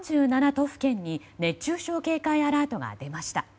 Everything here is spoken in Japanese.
都府県に熱中症警戒アラートが出ました。